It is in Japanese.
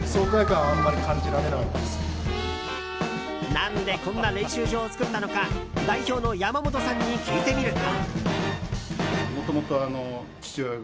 何でこんな練習場を作ったのか代表の山本さんに聞いてみると。